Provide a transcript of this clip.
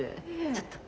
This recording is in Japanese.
ちょっと。